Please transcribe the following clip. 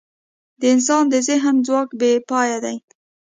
د انسان د ذهن ځواک بېپایه دی.